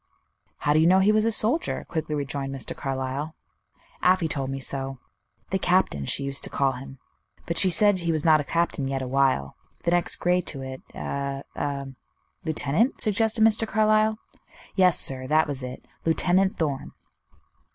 "How do you know he was a soldier?" quickly rejoined Mr. Carlyle. "Afy told me so. 'The Captain' she used to call him; but she said he was not a captain yet awhile the next grade to it, a a " "Lieutenant?" suggested Mr. Carlyle. "Yes, sir, that was it Lieutenant Thorn."